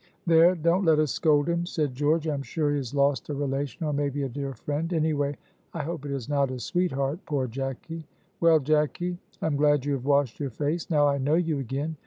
"There! don't let us scold him," said George, "I am sure he has lost a relation, or maybe a dear friend; anyway I hope it is not his sweetheart poor Jacky. Well, Jacky! I am glad you have washed your face, now I know you again.